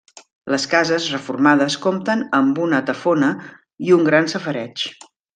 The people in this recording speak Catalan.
Les cases, reformades, compten amb una tafona i un gran safareig.